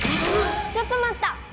ちょっとまった！